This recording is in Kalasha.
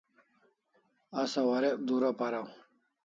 Asa warek dura paraw